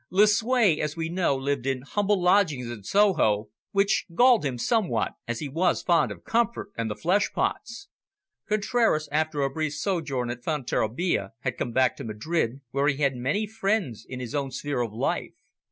Lucue, as we know, lived in humble lodgings in Soho, which galled him somewhat, as he was fond of comfort and the flesh pots. Contraras, after a brief sojourn at Fonterrabia had come back to Madrid, where he had many friends in his own sphere of life.